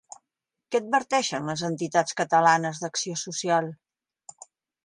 Què adverteixen les Entitats Catalanes d'Acció Social?